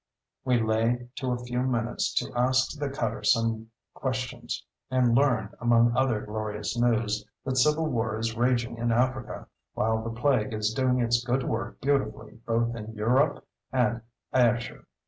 We lay to a few minutes to ask the cutter some questions, and learned, among other glorious news, that civil war is raging in Africa, while the plague is doing its good work beautifully both in Yurope and Ayesher.